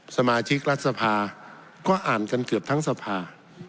สมาชิกรัฐสภาก็อ่านกันเกือบทั้งสภา